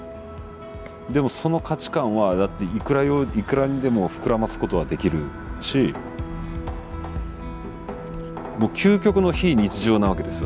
でもその価値観はいくらにでも膨らますことはできるし究極の非日常なわけですよ